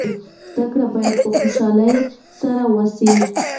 زده کړه باید په خوشحالۍ سره وسي.